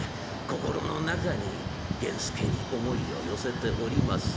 心の中に源助に思いを寄せております